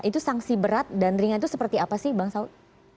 itu sanksi berat dan ringan itu seperti apa sih bang saud